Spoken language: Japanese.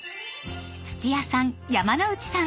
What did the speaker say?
土屋さん山之内さん